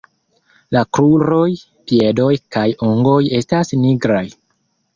La kruroj, piedoj kaj ungoj estas nigraj.